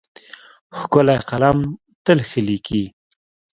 ښکلی قلم تل ښه لیکي.